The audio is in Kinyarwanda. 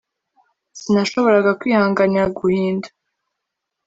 Sinashoboraga kwihanganira guhinda